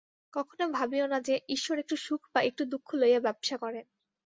কখনও ভাবিও না যে, ঈশ্বর একটু সুখ বা একটু দুঃখ লইয়া ব্যবসা করেন।